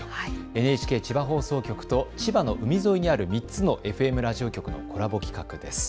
ＮＨＫ千葉放送局と千葉の海沿いにある３つのＦＭラジオ局とのコラボ企画です。